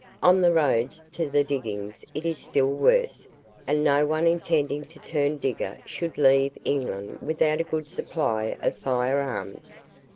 On the roads to the diggings it is still worse; and no one intending to turn digger should leave England without a good supply of fire arms.